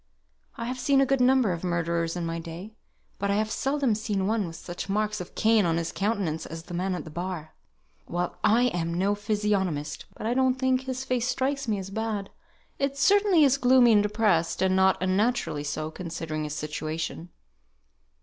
I have seen a good number of murderers in my day, but I have seldom seen one with such marks of Cain on his countenance as the man at the bar." "Well, I am no physiognomist, but I don't think his face strikes me as bad. It certainly is gloomy and depressed, and not unnaturally so, considering his situation."